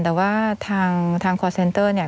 แต่ว่าทางคอร์เซนเตอร์เนี่ย